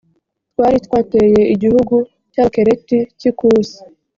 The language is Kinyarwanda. twari twateye igihugu cy abakereti cy ikusi